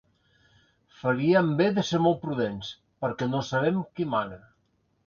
Faríem bé de ser molt prudents, perquè no sabem qui mana.